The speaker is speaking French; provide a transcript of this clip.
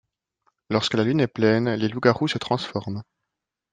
Lorsque la lune est pleine, les loups garous se transforment.